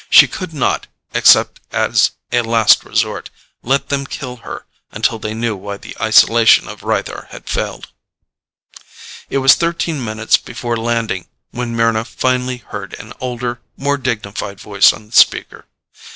She could not except as a last resort let them kill her until they knew why the isolation of Rythar had failed. It was thirteen minutes before landing when Mryna finally heard an older, more dignified voice on the speaker.